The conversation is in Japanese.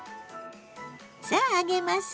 さあ揚げます。